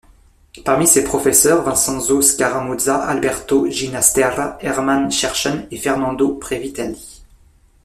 Parmi ses professeurs Vincenzo Scaramuzza, Alberto Ginastera, Hermann Scherchen et Fernando Previtali.